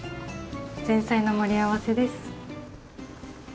前菜の盛り合わせです。